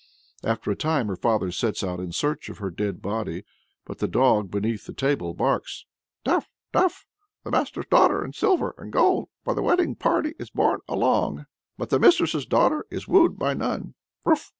After a time her father sets out in search of her dead body. But the dog beneath the table barks "Taff! Taff! The master's daughter in silver and gold by the wedding party is borne along, but the mistress's daughter is wooed by none!"